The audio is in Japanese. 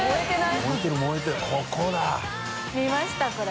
鷲見）見ましたこれ。